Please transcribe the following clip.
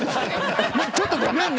ちょっとごめんね。